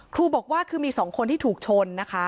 ครูบอกว่าคือมี๒คนที่ถูกชนนะคะ